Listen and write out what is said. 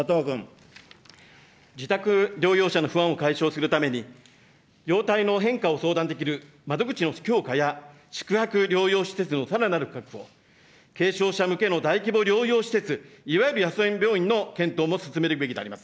自宅療養者の不安を解消するために、容体の変化を相談できる窓口の強化や宿泊療養施設のさらなる確保、軽症者向けの大規模療養施設、いわゆる野戦病院の検討も進めるべきであります。